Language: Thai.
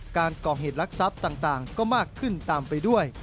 การก่อเหตุลักษัพต่างก็มากขึ้นตามไปด้วย